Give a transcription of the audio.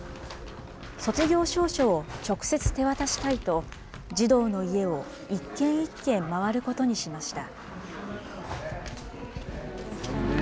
卒業証書を直接手渡したいと、児童の家を一軒一軒回ることにしました。